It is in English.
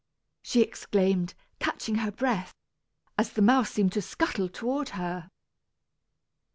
she exclaimed, catching her breath, as the mouse seemed to scuttle toward her.